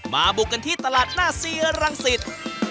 มาบุกกันที่ตลาดนาเซียรังสิทธิ์